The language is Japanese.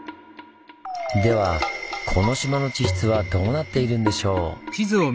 ではこの島の地質はどうなっているんでしょう？